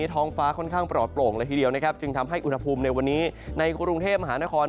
ท้องฟ้าค่อนข้างปลอดโปร่งเลยทีเดียวนะครับจึงทำให้อุณหภูมิในวันนี้ในกรุงเทพมหานคร